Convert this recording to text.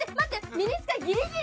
ミニスカギリギリ。